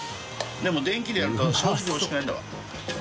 任電気でやると正直おいしくないんだわ。